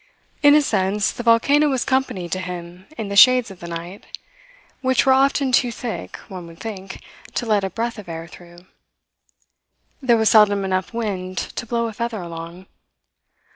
In a sense, the volcano was company to him in the shades of the night which were often too thick, one would think, to let a breath of air through. There was seldom enough wind to blow a feather along.